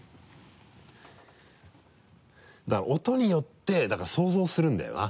音によってだから想像するんだよな。